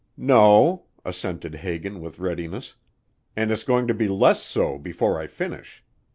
"No," assented Hagan with readiness, "and it's going to be less so before I finish.